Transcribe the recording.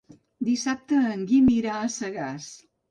Dissabte en Guim irà a Sagàs.